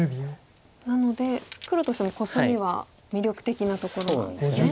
なので黒としてもコスミは魅力的なところなんですね。